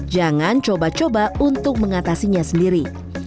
jangan coba coba untuk mengatasinya sendiri